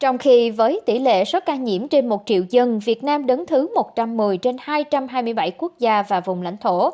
trong khi với tỷ lệ số ca nhiễm trên một triệu dân việt nam đứng thứ một trăm một mươi trên hai trăm hai mươi bảy quốc gia và vùng lãnh thổ